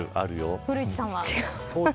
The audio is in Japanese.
古市さんは。